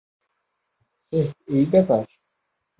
হেই, কী ব্যাপার?